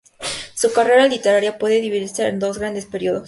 Su carrera literaria puede dividirse en dos grandes períodos.